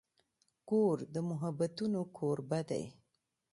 کور د محبتونو کوربه دی.